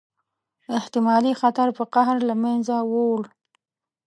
احتمالي خطر په قهر له منځه ووړ.